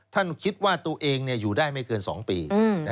คิดว่าตัวเองอยู่ได้ไม่เกิน๒ปี